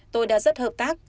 tôi đã rất hợp tác